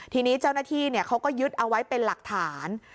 ทีนี้เจ้าหน้าที่เขาก็ยึดเอาไว้เป็นหลักฐาน